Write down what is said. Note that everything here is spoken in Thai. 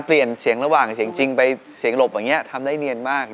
เปลี่ยนเสียงระหว่างเสียงจริงเป็นเกียงหลบทำได้เนียนมากเลย